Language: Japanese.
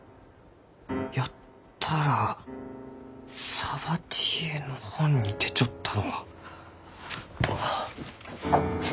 やったらサバティエの本に出ちょったのう。